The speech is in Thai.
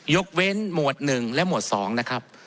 ยกเว้นหมวด๑และหมวด๒นะครับ